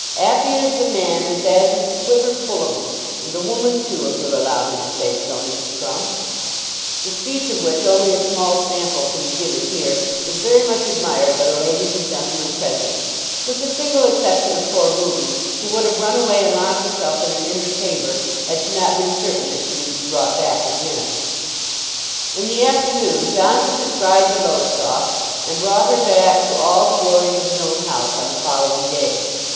'Appy is the man as 'as his quiver full of 'em, and the woman too, if you'll allow me to say so, Mrs. Crumb." The speech, of which only a small sample can be given here, was very much admired by the ladies and gentlemen present, with the single exception of poor Ruby, who would have run away and locked herself in an inner chamber had she not been certain that she would be brought back again. [Illustration: The happy bridegroom.] In the afternoon John took his bride to Lowestoft, and brought her back to all the glories of his own house on the following day.